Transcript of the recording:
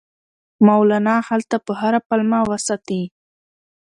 مولنا هلته په هره پلمه وساتي.